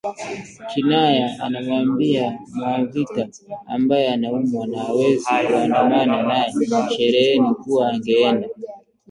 Kinaya anamwambia Mwavita ambaye anaumwa na hawezi kuandamana naye shereheni kuwa angeenda